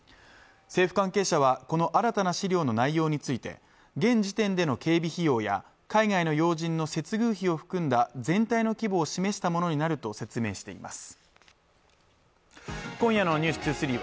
政府関係者はこの新たな資料の内容について現時点での警備費用や海外の要人の接遇費を含んだ全体の規模を示したものになると説明しています